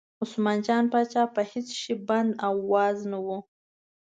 عثمان جان پاچا په هېڅ شي بند او واز نه و.